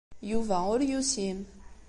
Yuba ur yusim.